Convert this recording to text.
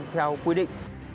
theo quy định